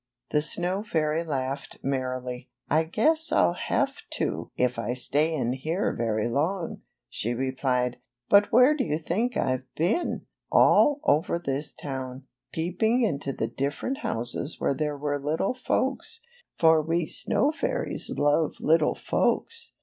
The snow fairy laughed merrily. guess I'll have to if I stay in here very long," she replied. '^But where do you think I've been? All over this town, peeping into the different houses where there were little folksy for we snow fairies love little folks."